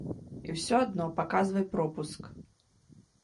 І ўсё адно паказвай пропуск.